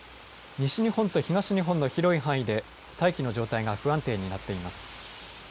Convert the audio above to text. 西日本と東日本の広い範囲で大気の状態が不安定になっています。